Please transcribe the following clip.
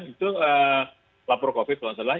itu lapor covid tuan salah